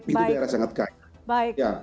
itu daerah sangat kaya